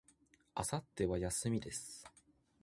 明後日は、休みです。